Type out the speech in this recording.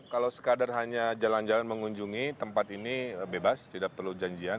kalau sekadar hanya jalan jalan mengunjungi tempat ini bebas tidak perlu janjian